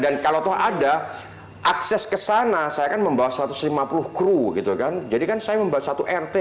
dan kalau ada akses ke sana saya akan membawa satu ratus lima puluh kru gitu kan jadikan saya membawa satu rt